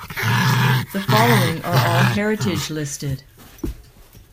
The following are all heritage-listed.